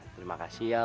terima kasih ya